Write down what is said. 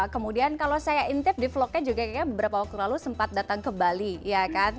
kemudian kalau saya intip di vlognya juga kayaknya beberapa waktu lalu sempat datang ke bali ya kan